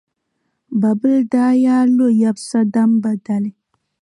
Babila daa yaa lo yɛbisa Damba dali.